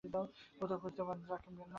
কোথাও খুঁজতে বাদ রাখবে না।